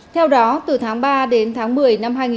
theo đó từ tháng ba đến tháng một mươi